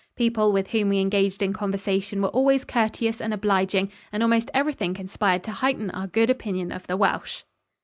People with whom we engaged in conversation were always courteous and obliging and almost everything conspired to heighten our good opinion of the Welsh.